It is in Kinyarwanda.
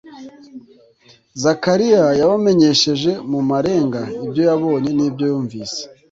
Zakariya yabamenyesheje mu marenga ibyo yabonye n'ibyo yumvise ;